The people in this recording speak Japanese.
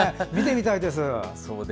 見てみたいです。